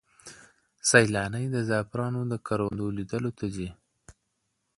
سیلانۍ د زعفرانو د کروندو لیدلو ته ځي.